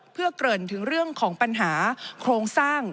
เพื่อเกริ่นถึงเรื่องของปัญหาโครงสร้าง